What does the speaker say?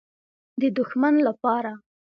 _د دښمن له پاره.